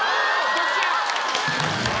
どっちや？